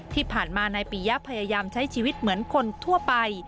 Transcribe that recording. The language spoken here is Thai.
ที่ผ่านมานายปียะพยายามใช้ชีวิตเหมือนคนทั่วไป